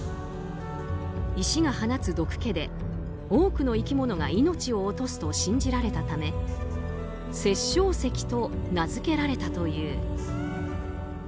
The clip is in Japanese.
石が放つ毒気で多くの生き物が命を落とすと信じられたため、殺生石と名づけられたという。